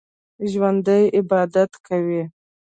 ژوندي عبادت کوي